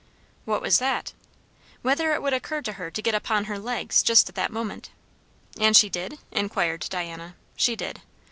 "What was that?" "Whether it would occur to her to get upon her legs, just at that moment." "And she did?" inquired Diana. "She did."